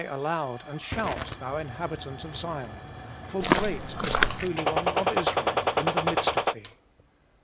aloud and shout, thou inhabitant of Zion, for great is the Holy One of Israel in the midst of thee.'